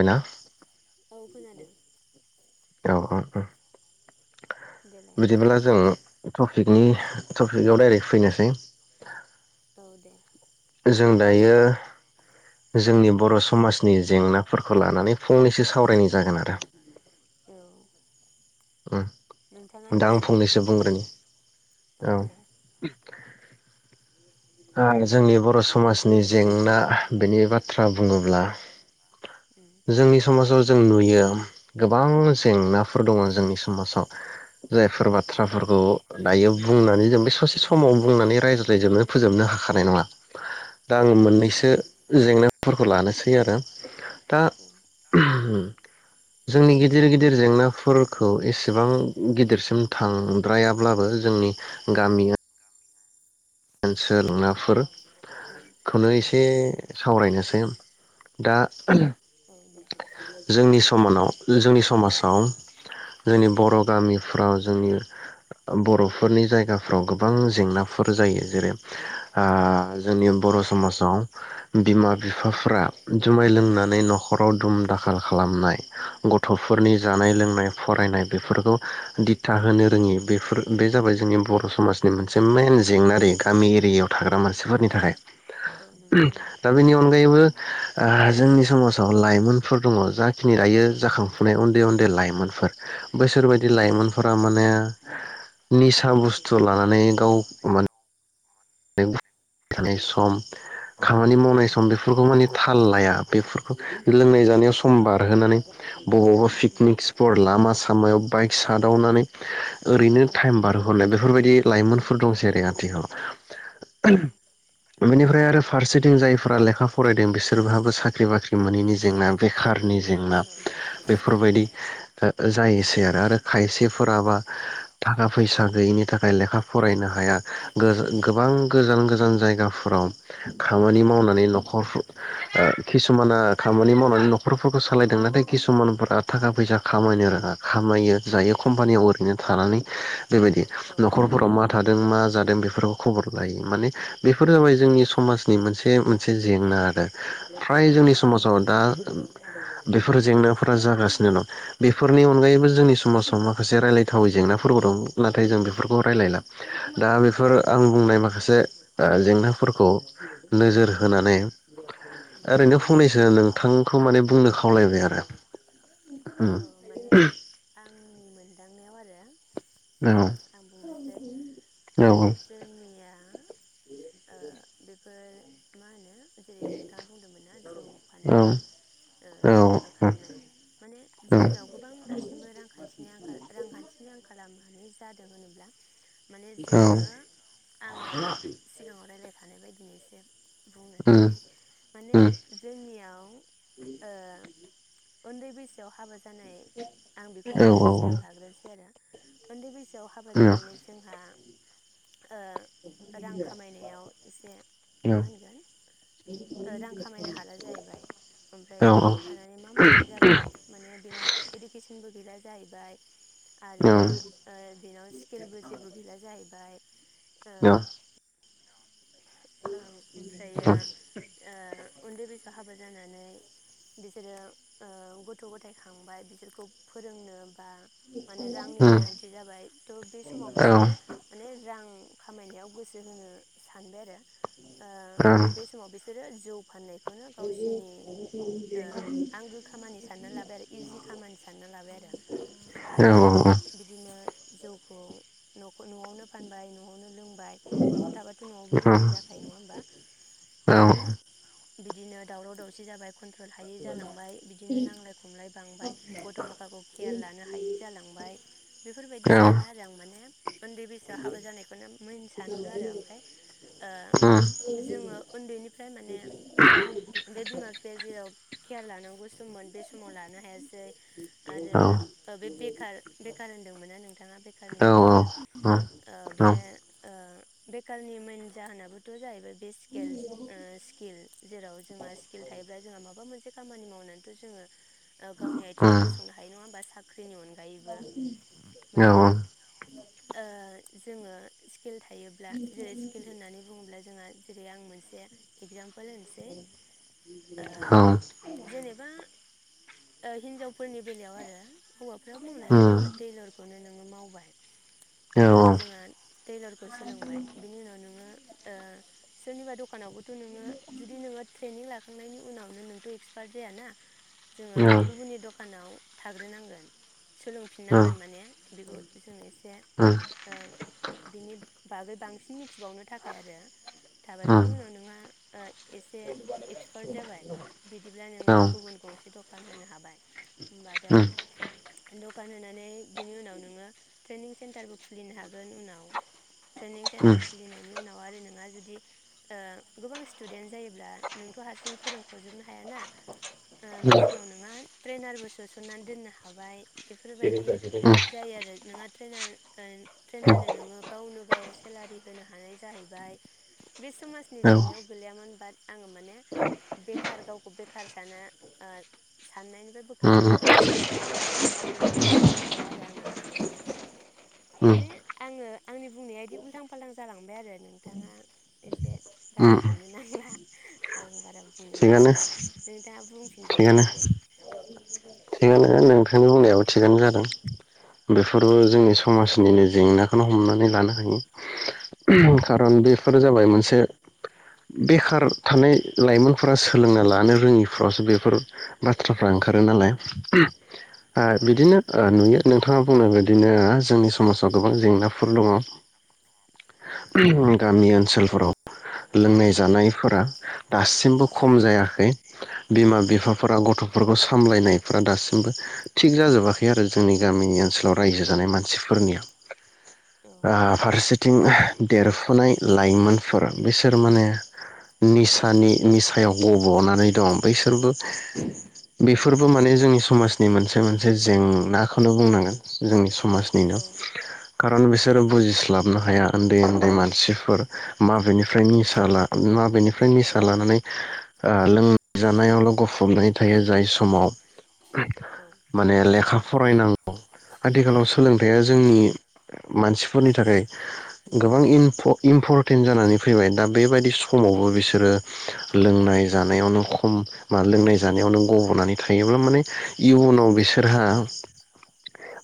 हयना? औ खोनादों। औ औ अ देलाय बिदिब्ला जों टपिकनि टपिकआव डाइरेक्ट फैनोसै औ दे। जों दायो जोंनि बर' समाजनि जेंनाफोरखौ लानानै फंनैसो सावरायनाय जागोन आरो। औ उम नोंथाङानो दा आं एसे फंनैसो बुंग्रोदो दे बुंग्रोनि औ। ओ जोंनि बर' समाजनि जेंना बेनि बाथ्रा बुङोब्ला उम जोंनि समाजाव जों नुयो गोबां औ जेंनाफोर दङ जोंनि समाज आव। जायफोर उम बाथ्राफोरखौ दायो बुंनानै जों बे ससे समाव बुंनानै रायज्लायजोबनो फोजोबनो हाखानाय नङा। दा औ आङो हाया औ मोननैसो जेंना फोरखौ लानोसै आरो। दा औ जोंनि गिदिर गिदिर जेंनाफोरखौ एसेबां गिदिरसिम थांद्रायाब्लाबो जोंनि गामिया ओनसोल नाफोर औ खौनो एसे उम सावरायनोसै। दा औ दे जोंनि [unintelligible] जे जोंनि समाजाव जोंनि बर' उम गामिफ्राव जोंनि बरफोरनि जायगाफ्राव गोबां जेंनाफोर जायो। जेरै ओ जोंनि बर समाजाव बिमा बिफाफ्रा जुमाय लोंनानै नखराव दुम दाखाल खालामनाय। औ गथ'फोरनि जानाय लोंनाय फरायनाय बेफोरखौ दिथा होनो रोङि बेफोर बे जाबाय जोंनि बर समाजनि मोनसे मेन जेंनारि गामि एरियायाव थाग्रा मानसिफोरनि थाखाय औ नंगौ दा बेनि अनगायैबो ओ जोंनि समाजाव लाइमोनफोर दङ जाखिनि लायो जाखांफुनाय उन्दै उन्दै लाइमोनफोर बैसोर औ बायदि लाइमोनफोरा माने निसा बुस्थु लानानै गाव माने [unintelligible] सम खामानि मावनाय औ उम औ सम उम औ बेफोरखौ माने थाल लाया बेफोरखौ लोंनाय जानायाव सम बार [unintelligible] बबावबा पिकनिक स्पट लामास खामायाव बाइक सादावनानै ओरैनो टाइम बारहरनाय बेफ बेफोरबायदि लाइमोनफोर दंसै आरो आथिखालाव [unintelligible] बेनिफ्राय आरो फारसेथिं जायफोरा लेखा फरायदों बिसोरबहाबो साख्रि बाख्रि मोनैनि जेंना बेखारनि जेंना उम बेफोरबायदि ओ जायोसै आरो आरो खायसेफोराबा थाखा फैसा गैयिनि थाखाय लेखा फरायनो हाया गोरों गोबां गोजान गोजान जायगाफोराव खामानि मावनानै नखर ओ किसुमाना खामानि मावनानै नखरफोरखौ सालायदों नाथाय किसुमानफोरा थाखा फैसा खामायनो रोङा खामायो जायो कम्पानियाव ओरैनो थानानै बेबायदि औ उम नखरफोराव माथाद दों मा जादों बेफोराव खबर लायो माने बेफोर जाबाय जोंनि समाजनि मोनसे मोनसे जेंना आरो फ्राय जोंनि उम समाजाव दा बेफोर जेंनाफोरा जागासिनो दं। बेफोरनि उम औ अनगायैबो जोंनि समाजाव माखासे रायलायथावै जेंनाफोरबो दं नाथाय जों बेफ बेफोरखौ रायलायला दा बेफोर। नाय माखासे ओ जेंनाफोरखौ नोजोर उम होनानै उम ओरैनो फंनैसो नोंथांखौ माने बुंनो खावलायबाय आरो उम औ माने आंनि मोन दांनायाव आरो औ आं बुंनोसै औ माने जोंनिया ओ बेफोर मा होनो जेरै नोंथाङा बुंदोंमोन ना जौ औ फाननाय ओ औ दुम दाखाल खालामनाय माने जोंनियाव गोबां दासिमबो रांखान्थिनि आंखाल रांखान्थिनि आं खालामनानै जादों होनोब्ला माने औ जोङो आङो सिगाङाव रायलायखानाय बायदि [unintelligible] बुंनोसै उम माने उम जोंनियाव ओ उन्दै बेसो हाबा जा जानाय आं बेखौ औ औ उम औ उम औ उम औ उम औ उम सिगां औ लाग्रोनोसै आरो उन्दै बैसो सोआव हाबा जानानै जोंहा ओ रां खामायनायाव एसे मा होनगोन रां खामायनो हाला जाहैबाय ओमफ्राय नआव थानानै मा मावगोन जाबाय बिनाव इडुकेसनबो गैया जाहैबाय आरो उम बेनाव स्किलबो जेबो गैला जाहैबाय औ ओ ओमफ्रायो ओ उन्दै बैस हाबा जानानै बिसोरो ओ गथ गथाइ खांबाय बिसोरखौ फोरोंनो बा माने रांनि गोनांथि जाबाय त बे समाव बिसोरो उम माने रां खामायनायाव गोसो होनो सानबाय आरो ओ बे समाव बिसोरो जौ फाननाय आंगो खामानि [inaudible] सानना लाबाय आरो इजि खामानि सानना लाबाय आरो जौखौ नखौ नआवनो फानबाय नआवनो लों बाय नआव थाबाथ नआवबो लोंनाय जाखायो नङा होनबा? बिदिनो दावराव दावसि जाबाय कन्ट्रल हायै जालांबाय बिदिनो नां नांलाय खमलाय बांबाय गथ माखाखौ केयार लानो हायि जालांबाय बेफोरबायदि सानो आरो आं माने उन्दै बैसोआव हाबा जानायखौनो मेन सानहरो आरो ओमफाय ओ जोङो उन्दैनिफ्राय माने बे बिमा बिफाया जेराव खेयार लानांगौ सममोन बे समाव लानो हायासै आरो बे बेखार बेखार होनदोंमोनना नोंथाङा बेखारनि जेंना ओ बे ओ बेकालनि मेन जाहोनाबोथ जाहैबाय बे स्केल स्किल जेराव जोंहा स्किल थायोब्ला जोंहा माबा मोनसे खामानि मावनानैथ जोङो गावनि आथिंआव गसंनो हायो नङा होमबा सा जोंनि अनगायैबो माने ओ जोङो स्किल थायोब्ला जेरै स्किल होननानै बुङोब्ला जोङा जेरै आं मोनसे एगजाम पल होनोसै ओ जेनेबा ओ हिनजाव फोरनि बेलायाव आरो हौवाफ्रा मावनो हायो जेनेबा टेइलरखौनो ओ मावबाय ओ जोङो टेइलरखौ सोलोंबाय बिनि उनाव नोङो ओ सोरनिबा दुख दखानावबोथ' नोङो जुदि नोङो ट्रेनिं लाख खांनायनि उनावनो नोंथ एक्सपार्ट जायाना जोङो गुबुननि दखानाव थाग्रोनांगोन सोलोंफिननांगोन माने बेखौ जों एसे ओ बिनि बागै बांसिन मिथिबावनो थाखाय आरो थाबाय बिनि उनाव नोंहा ओइ एसे एक्सपार्ट जाबाय बिदिब्ला नोङो गुबुन गंसे दख फानहोनो हाबाय होमबाथाय दखान होनानै बेनि उनाव नोङो ट्रेनिं सेन्टारबो खुलिनो हागोन उनाव ट्रेनिं सेन्टार खुलिनायनि उनाव आरो नोंङो जुदि गोबां स्टुदेन्ट जायोब्ला नोंथ हारसिं फोरोंखजोबनो हाया ना ओ बे न नोंहा ट्रेनारबो सोसननानै दोननो हाबाय बेफोरबायदि जायो आरो नोंहा ट्रेनार उम ट्रेनारनो नोङो गावनो गाव सेलारि होनो हानाय जाहैबाय बे समाजनि उम औ जेंनायाव गोैलैयामोन बाट आङो माने बेखार गावखौ बेखार साना ओ साननायनिफ्राय बोखारनो उम थाखाय बेफोरबायदि खामानिखौ मावनो हायो बेखौ बुंबाय आरो आङो उम माने आङो आंनि बुंनाया इदि उल्थां फालथां जालांबाय आरो नोंथाङा एसे उम गाज्रि मोननो नांला आं बारा थिगानो नों दा बुंफिनदो दे ए थिगानो थिगानो थिगानो नोंथांनि होननायाबो थिगानो जादों बेफोरबो औ जोंनि समाजनिनो जेंनाखौनो हमनानै लानो हायो खारन बेफोर जाबाय मोनसे बेखार थानाय लाइमोनफोरा सोलोंना लानो रोङिफ्रावसो बेफोर बाथ्रा फ्रा ओंखारो नालाय औ [unintelligible] आ औ बिदिनो ओ यो नोंथाङा बुंनाय बायदिनो जोंनि समाजाव गोबां जेंनाफोर दङ। औ ओहोम गामि ओनसोलफोराव लोंनाय जानायफोरा दासिमबो खम जायाखै। बिमा औ बिफाफोरा गथ' फोरखौ सामलायनाय फोरा दासिमबो थिग जाजोबाखै आरो जोंनि गामिनि ओनसोलाव रायजो जानाय मानसिफोरनिया आ फारसेथिं ओ देरफुनाय लाइमोनफोर बिसोर माने निसानि निसायाव गबनानै दं बैसोरबो बेफोरबो माने जोंनि समाजनि मोनसे मोनसे जेंनाख खौनो बुंनांगोन जोंनि औ समाजनिनो औ कारन बिसोरो बुजिस्लाबनो हाया उन्दै उन्दै मानसिफोर माबेनिफ्राय निसाला माबेनिफ फ्राय निसा लानानै आ लोंजानायावल गफबनानै थायो जाय समाव माने लेखा फरायनां [unintelligible] आथिखालाव सोलोंथाइया जोंनि मानसिफोरनि थाखाय गोबां इनम्फ इम्फरतेन जानानै फैबाय दा बेबायदि समावबो बिसोरो लोंनाय जानायावनो खम लोंनाय जानायावनो गबनानै थायोब्ला माने इयुनाव बिसोरहा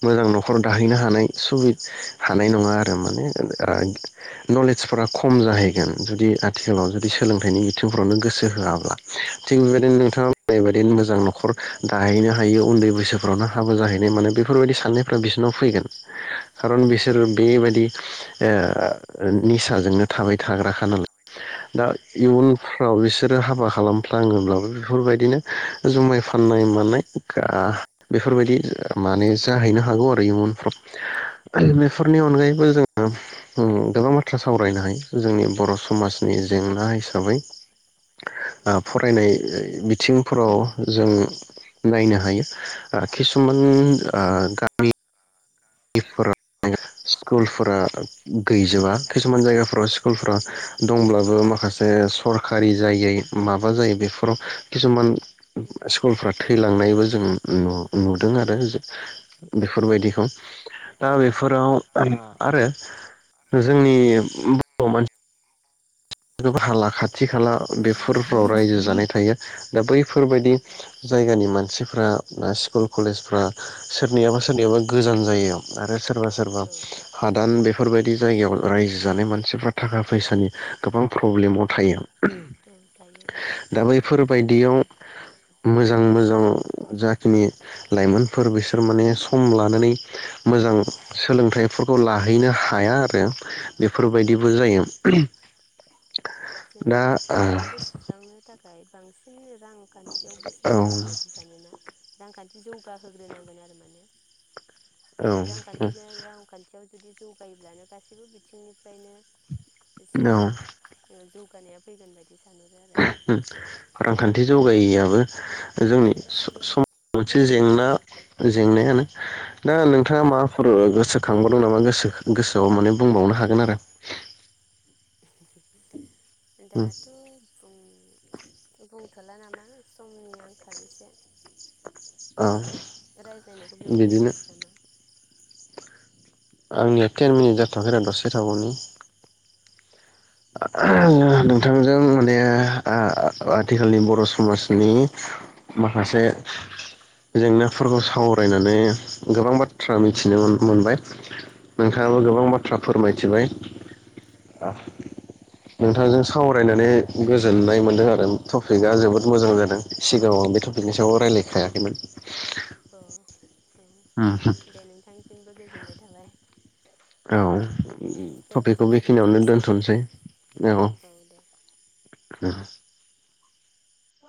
मोजां नखराव दाहैनो हानाय सुबि हानाय नङा आरो माने आ नलेजफोरा खम जाहैगोन जुदि थिखालाव औ जुदि सोलोंथाइनि बिथिंफ्रावनो गोसो हो होआब्ला थिग बेबायदिनो नोंथाङा बुंनायबायदिनो मोजां नखर दाहैनो हायो उन्दै बैसोफ्रावनो हाबो जाहैनाय माने बेफोरबायदि साननायफ्रा बिसोरनाव फैगोन खारन औ बिसोर बे बायदि औ ओ निसाजोंनो थाबाय थाग्राखा नालाय दा औ इयुनफ्राव बिसोरो हाबा खालामफ्लाङोब्लाबो बेफोरबायदिनो जुमाय फाननाय मानाय गा बेफोरबायदि उम माने जाहैनो हागौ आरो इयुनफ्राव बेफोरनि अनगायैबो जों ओ गोबां बाथ्रा सावरायनो हायो जोंनि बर' समाजनि जेंना हिसाबै ओ फरायनाय बिथिंफोराव जों नायनो हायो खिसुमान ओ [unintelligible] स्कुलफोरा उम गैजोबा खिसुमान जायगाफोराव स्कुलफोरा उम औ औ दंब्लाबो गैया माखासे सरखारि जायै माबा जायो बेफोराव किसुमान ओम बेफोराव उम स्कुलफोरा थैलांनायबो जों नु नुदों आरो औ बेफोरबायदिखौ दा बेफोराव आरो जोंनि बर' मानसि [unintelligible] खाथि खाला। बेफोर फोराव रायजो जानाय थायो दा बैफोरबायादि औ जायगानि मानसिफ्रा स्कुल कलेजफ्रा सोरनियाबा सोरनियाबा गोजान जायो आरो सोरबा सोरबा औ हादान बेफोर बेफोरबायदि जायगायाव रायजो जानाय मानसिफ्रा थाखा फैसानि गोबां प्रब्लेमाव थायो। ओं थायो औ। बायदियाव मोजां मोजां जाखिनि लाइमोनफोर बिसोर माने सम लानानै मोजां सोलोंथाइफोरखौ लाहैनो हाया आरो बेफोरबायदिबो जायो। उम दा जोङो औ बेफोरखौ सुस्रांनो थाखाय बांसिनो रांखान्थियाव गोसो होनांगोन बायदि सानोना रांखान्थि जौगा होग्रोनांगोन आरो माने। औ रांखान्थिखौ रांखान्थियाव जुदि जौगायोब्लानो गासैबो बिथिंनिफ्रायनो इसे औ जौगानाया फैगोन बायदि सानहरो आरो रांखान्थि जौगायिआबो जोंनि सम सम मोनसे जेंना जेंनायानो दा नोंथाङा माबाफोर गोसो खांबावदों नामा गोसो गोसोआव माने बुंबावनो हागोन आरो। लांदां दाथ बुं बुं थला नामा समनि आंखाल एसे। औ। रायज्लायनायखौ बेयावनो बिदिनो दोनथनोसै नामा। आंनिया टेन मिनिट खोनाबाय जाथयाखैे र दसे थाबावनि। नोंथांजों माने ओ आथिखालनि बर' समाजनि माखासे जेंनाफोरखौ सावरायनानै गोबां बा थ्रा औ मिथिनो मोनबाय। लांदां औ नोंथाङाबो गोबां बाथ्रा फोरमायथिबाय। [unintelligible] नोंथांजों सावरायनानै गोजोननाय मोनदों आरो टपिकआ जोबोद मोजां जादों सिगाङाव आं बे टपिकनि सायाव रायलाय खायाखैमोन। टपिकनि सायाव रायलायखायाखैमोन। अ उम हो। औ दे नोंथांनिसिमबो गोजोननाय थाबाय औ। दे थपिकखौ बिदिब्ला बेखिनियावनो दोनथ'नोसै दोनथनसै औ दे। औ।